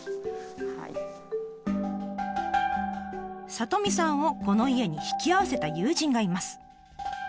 里美さんをこの家に引き合わせた友人がいます。